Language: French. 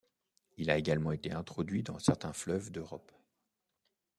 Il a également été introduit dans certains fleuves d'Europe.